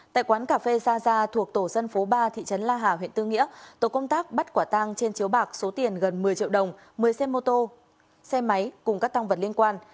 tại quán cà phê sa gia thuộc tổ dân phố ba thị trấn la hà huyện tư nghĩa tổ công tác bắt quả tang trên chiếu bạc số tiền gần một mươi triệu đồng một mươi xe mô tô xe máy cùng các tăng vật liên quan